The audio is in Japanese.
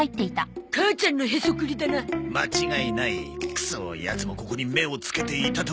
くそヤツもここに目をつけていたとは。